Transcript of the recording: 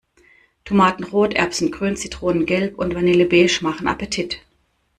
Tomatenrot, erbsengrün, zitronengelb und vanillebeige machen Appetit.